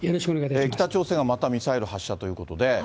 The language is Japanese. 北朝鮮がまたミサイル発射ということで。